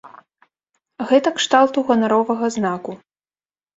Гэта кшталту ганаровага знаку.